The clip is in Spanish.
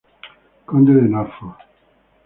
Conde de Norfolk.